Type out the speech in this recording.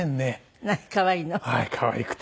可愛くて。